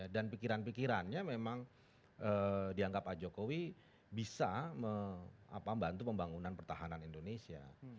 dan pikiran pikirannya memang dianggap pak jokowi bisa membantu pembangunan pertahanan indonesia